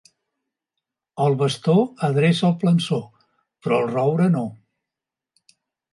El bastó adreça el plançó, però el roure no.